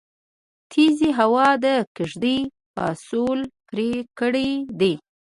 تيزې هوا د کيږدۍ پسول پرې کړی دی